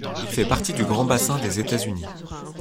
Il fait partie du Grand Bassin des États-Unis.